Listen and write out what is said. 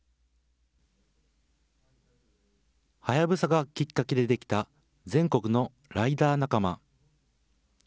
隼がきっかけで出来た、全国のライダー仲間。